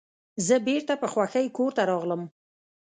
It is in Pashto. زه بیرته په خوښۍ کور ته راغلم.